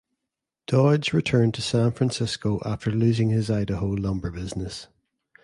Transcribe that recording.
Dodge returned to San Francisco after losing his Idaho lumber business.